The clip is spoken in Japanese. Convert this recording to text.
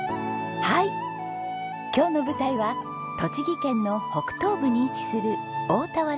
はい今日の舞台は栃木県の北東部に位置する大田原市です。